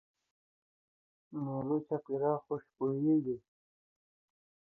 د مېلو چاپېریال خوشبويه وي.